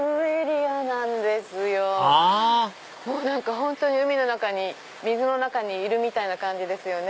本当に海の中に水の中にいるみたいな感じですよね。